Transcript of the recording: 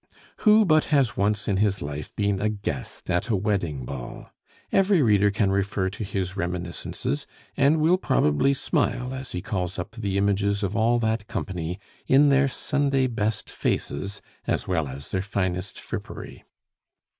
Who but has once in his life been a guest at a wedding ball? Every reader can refer to his reminiscences, and will probably smile as he calls up the images of all that company in their Sunday best faces as well as their finest frippery.